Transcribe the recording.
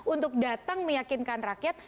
untuk datang meyakinkan rakyat